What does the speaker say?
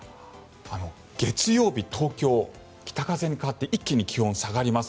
月曜日、東京、北風に変わって一気に気温が下がります。